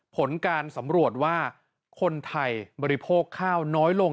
ผลการสำรวจว่าคนไทยบริโภคข้าวน้อยลง